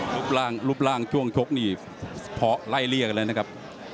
รุบร่างช่วงชกนี่พอไล่เรียกเลยนะครับ